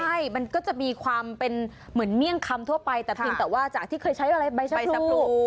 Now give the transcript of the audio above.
ใช่มันก็จะมีความเป็นเหมือนเมี่ยงคำทั่วไปแต่เพียงแต่ว่าจากที่เคยใช้อะไรใบสะพรู